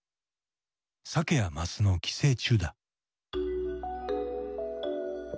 サケやマスの寄生虫だ。